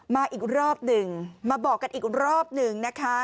มาอีกรอบหนึ่งมาบอกกันอีกรอบหนึ่งนะคะ